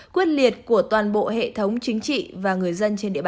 quyết liệt của toàn bộ hệ thống chính trị và người dân